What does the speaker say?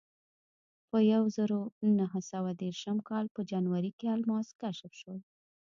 په یوه زرو نهه سوه دېرشم کال په جنورۍ کې الماس کشف شول.